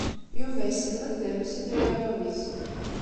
Yuba yesselmed tarusit i warraw-is.